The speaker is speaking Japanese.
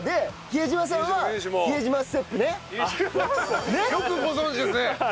比江島さんは。よくご存じですね。